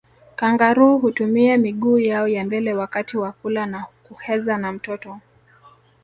Kangaroo hutumia miguu yao ya mbele wakati wa kula na kuheza na mtoto